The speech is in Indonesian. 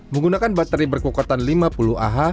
menggunakan baterai berkokotan lima puluh ah